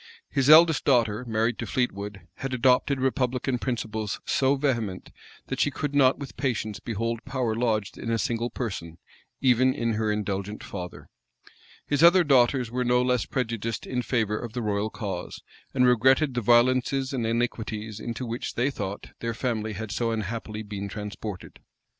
His eldest daughter, married to Fleetwood, had adopted republican principles so vehement, that she could not with patience behold power lodged in a single person, even in her indulgent father. His other daughters were no less prejudiced in favor of the royal cause, and regretted the violences and iniquities into which, they thought, their family had so unhappily been transported.